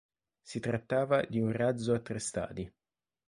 Si trattava di un razzo a tre stadi.